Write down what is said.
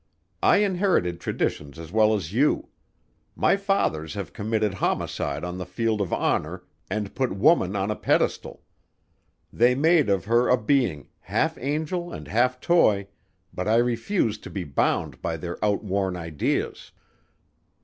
I inherited traditions as well as you. My fathers have committed homicide on the field of honor and put woman on a pedestal. They made of her a being, half angel and half toy, but I refuse to be bound by their outworn ideas.